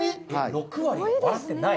６割が笑ってない？